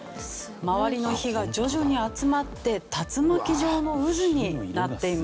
周りの火が徐々に集まって竜巻状の渦になっています。